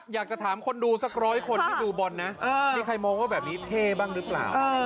อยากจะถามคนดูสักร้อยคนที่ดูบอลนะมีใครมองว่าแบบนี้เท่บ้างหรือเปล่า